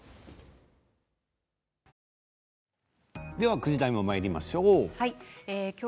９時台もまいりましょう。